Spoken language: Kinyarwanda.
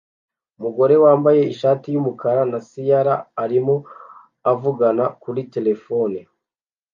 Umugore wambaye ishati yumukara na tiara arimo avugana kuri terefone